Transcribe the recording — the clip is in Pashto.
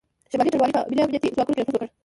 شمالي ټلوالې په ملي امنیتي ځواکونو کې نفوذ وکړ